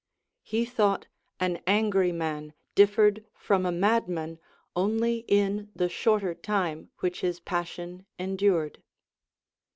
He thought an angry man differed from a madman only in the shorter time which his passion endured.